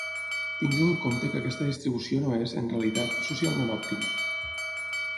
Tingueu en compte que aquesta distribució no és, en realitat, socialment òptima.